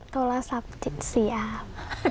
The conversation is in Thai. โทรศัพท์เสียครับ